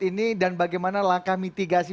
ini dan bagaimana langkah mitigasi